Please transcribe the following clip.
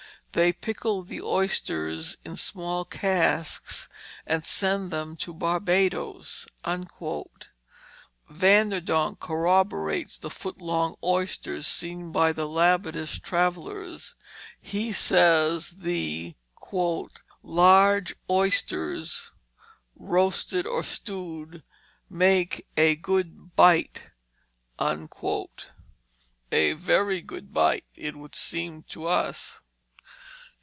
They pickle the oysters in small casks and send them to Barbados." Van der Donck corroborates the foot long oysters seen by the Labadist travellers. He says the "large oysters roasted or stewed make a good bite," a very good bite, it would seem to us.